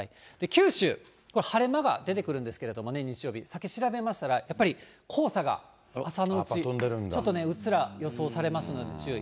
九州、晴れ間が出てくるんですけれどもね、日曜日、さっき調べましたら、やっぱり黄砂が朝のうち、ちょっとね、うっすら予想されますんで、注意。